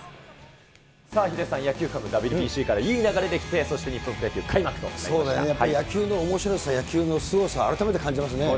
さあ、ヒデさん、野球、ＷＢＣからいい流れできて、そして日本プロ野球そうだよね、やっぱり、野球のおもしろさ、野球のすごさ、改めて感じますね。